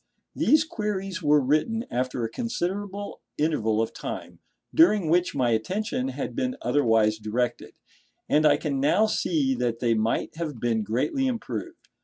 These queries were written after a considerable interval of time, during which my attention had been otherwise directed, and I can now see that they might have been greatly improved.